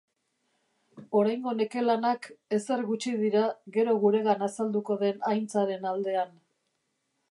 Oraingo neke-lanak ezer gutxi dira gero guregan azalduko den aintzaren aldean.